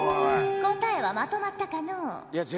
答えはまとまったかのう。